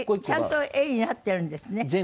ちゃんと絵になってるんですね。